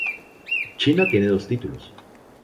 China tiene dos títulos.